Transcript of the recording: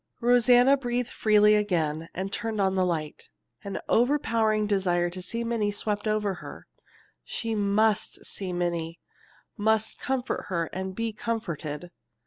Rosanna breathed freely again, and turned on the light. An overpowering desire to see Minnie swept over her. She must see Minnie, must comfort her and be comforted.